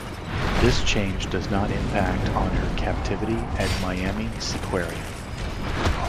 This change does not impact on her captivity at Miami Seaquarium.